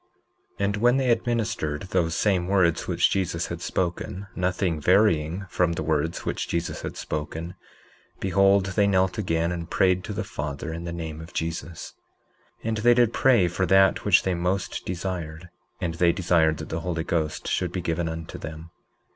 19:8 And when they had ministered those same words which Jesus had spoken—nothing varying from the words which Jesus had spoken—behold, they knelt again and prayed to the Father in the name of Jesus. 19:9 And they did pray for that which they most desired; and they desired that the Holy Ghost should be given unto them.